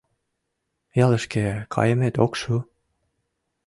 Ялышке кайымет ок шу?